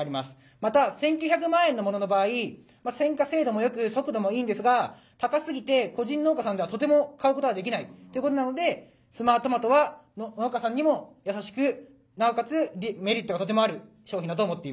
また１，９００万円のものの場合選果精度もよく速度もいいんですが高すぎて個人農家さんではとても買うことができないということなので「スマートマト」は農家さんにも優しくなおかつメリットがとてもある商品だと思っています。